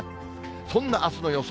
そんなあすの予想